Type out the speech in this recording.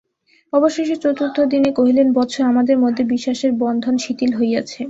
অবশেষে চতুর্থ দিনে কহিলেন, বৎস, আমাদের মধ্যে বিশ্বাসের বন্ধন শিথিল হইয়াছে।